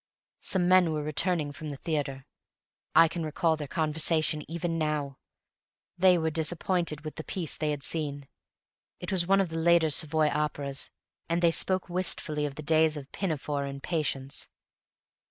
Some men were returning from the theatre. I can recall their conversation even now. They were disappointed with the piece they had seen. It was one of the later Savoy operas, and they spoke wistfully of the days of "Pinafore" and "Patience."